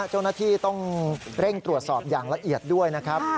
เจ้าหน้าที่ต้องเร่งตรวจสอบอย่างละเอียดด้วยนะครับ